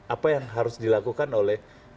apa yang harus dilakukan oleh